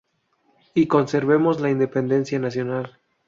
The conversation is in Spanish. Y conservemos la independencia nacional.